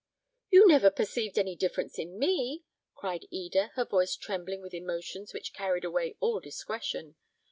"You never perceived any difference in me," cried Eda, her voice trembling with emotions which carried away all discretion.